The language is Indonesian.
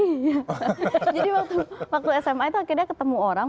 jadi waktu sma itu akhirnya ketemu orang